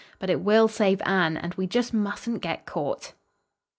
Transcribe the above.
But it will save Anne, and we just mustn't get caught."